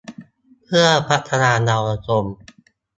เพื่อพัฒนาเยาวชน